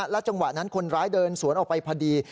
จังหวะนั้นคนร้ายเดินสวนออกไปพอดี